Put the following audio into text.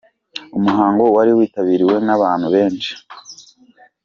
Umuhango wari witabiriwe n’ abantu benshi.